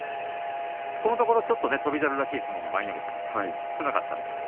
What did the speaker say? このところちょっと翔猿らしい相撲が少なかったんですが。